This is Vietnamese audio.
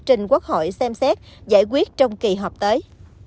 trình quốc hội xem xét giải quyết trong kỳ họp tới